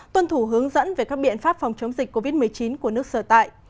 tuân thủ hướng dẫn về các biện pháp phòng chống dịch covid một mươi chín của nước sở tại